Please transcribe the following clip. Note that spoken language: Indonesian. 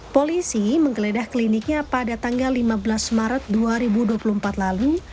polisi menggeledah kliniknya pada tanggal lima belas maret dua ribu dua puluh empat lalu